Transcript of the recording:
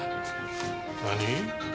何？